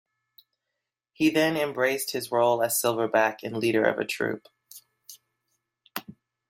He then embraced his role as silverback and leader of a troop.